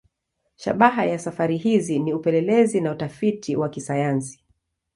Shabaha ya safari hizi ni upelelezi na utafiti wa kisayansi.